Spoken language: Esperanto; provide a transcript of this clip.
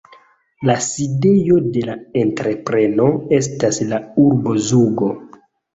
La sidejo de la entrepreno estas la urbo Zugo.